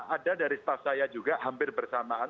ada dari staff saya juga hampir bersamaan